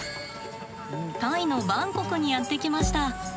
タイのバンコクにやって来ました。